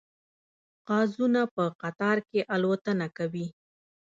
قازونه په قطار کې الوتنه کوي